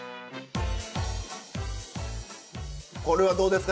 これはどうですか？